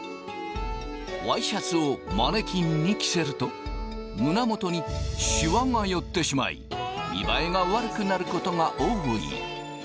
ワイシャツをマネキンに着せると胸元にシワが寄ってしまい見栄えが悪くなることが多い。